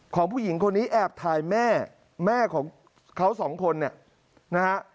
ผู้หญิงคนนี้แอบถ่ายแม่แม่ของเขาสองคนเนี่ยนะฮะ